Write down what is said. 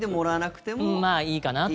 まあ、いいかなと。